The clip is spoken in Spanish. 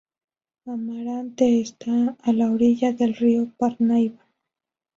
Amarante está a la orilla del río Parnaíba.